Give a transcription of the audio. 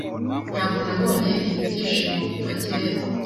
Ntabwo nabonye ibi byishimo kuva kera.